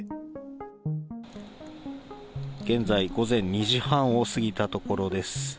現在、午前２時半を過ぎたところです。